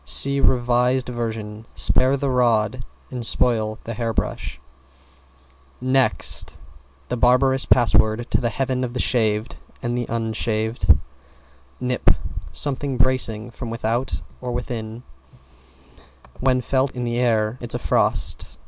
See revised version, "Spare the rod and spoil the hair brush!" "=NEXT=" The barberous password to the heaven of the shaved and the unshaved. =NIP= Something bracing from without or within When felt in the air, it's a frost.